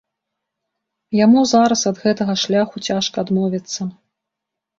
Яму зараз ад гэтага шляху цяжка адмовіцца.